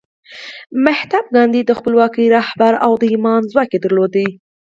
مهاتما ګاندي د خپلواکۍ رهبر و او د ایمان ځواک یې درلود